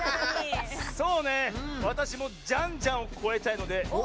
そうねわたしもジャンジャンをこえたいのでお！